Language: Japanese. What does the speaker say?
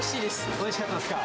おいしかったですか。